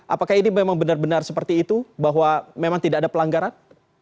apakah ini memang benar benar seperti itu bahwa memang tidak ada pelanggaran